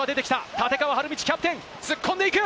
立川理道キャプテン、突っ込んでいく。